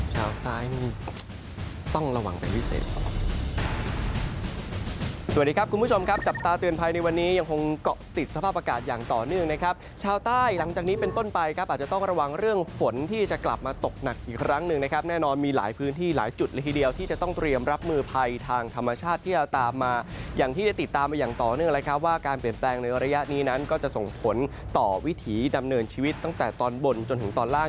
สวัสดีครับคุณผู้ชมครับจับตาเตือนภัยในวันนี้ยังคงเกาะติดสภาพอากาศอย่างต่อเนื่องนะครับชาวใต้หลังจากนี้เป็นต้นไปครับอาจจะต้องระวังเรื่องฝนที่จะกลับมาตกหนักอีกครั้งหนึ่งนะครับแน่นอนมีหลายพื้นที่หลายจุดละทีเดียวที่จะต้องเตรียมรับมือภัยทางธรรมชาติที่จะตามมาอย่างที่ได้ติดตาม